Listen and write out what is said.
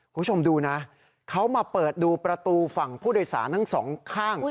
คุณผู้ชมดูนะเขามาเปิดดูประตูฝั่งผู้โดยสารทั้งสองข้าง